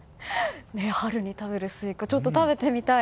春に食べるスイカ食べてみたい。